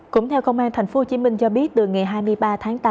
cũng theo công an tp hcm cho biết từ ngày hai mươi ba tháng tám